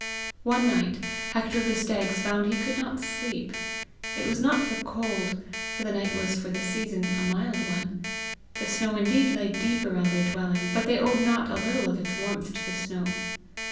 One night, Hector of the Stags found he could not sleep. It was not for cold, for the night was for the season a mild one. The snow indeed lay deep around their dwelling, but they owed not a little of its warmth to the snow.